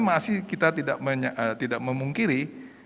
masih kita tidak memungkiri